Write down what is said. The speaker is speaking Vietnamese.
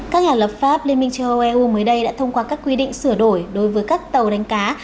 các nhà lập pháp liên minh châu âu eu mới đây đã thông qua các quy định sửa đổi đối với các tàu đánh cá